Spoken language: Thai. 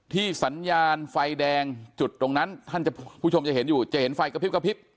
สัญญาณไฟแดงจุดตรงนั้นท่านผู้ชมจะเห็นอยู่จะเห็นไฟกระพริบกระพริบ